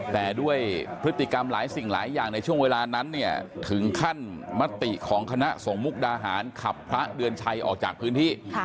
แต่ด้วยพฤติกรรมหลายสิ่งหลายอย่างในช่วงเวลานั้นเนี่ยถึงขั้นมติของคณะส่งมุกดาหารขับพระเดือนชัยออกจากพื้นที่